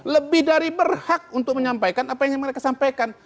lebih dari berhak untuk menyampaikan apa yang mereka sampaikan